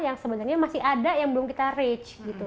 yang sebenernya masih ada yang belum kita reach gitu